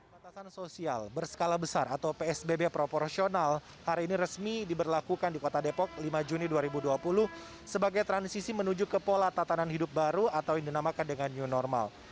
pembatasan sosial berskala besar atau psbb proporsional hari ini resmi diberlakukan di kota depok lima juni dua ribu dua puluh sebagai transisi menuju ke pola tatanan hidup baru atau yang dinamakan dengan new normal